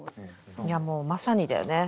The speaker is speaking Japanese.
いやもうまさにだよね多分。